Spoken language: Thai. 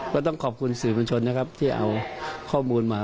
ก็ต้องขอบคุณสื่อบัญชนนะครับที่เอาข้อมูลมา